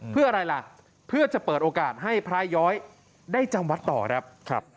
เพื่ออะไรล่ะเพื่อจะเปิดโอกาสให้พระย้อยได้จำวัดต่อครับ